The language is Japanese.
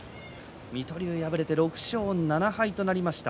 水戸龍、敗れて６勝７敗となりました。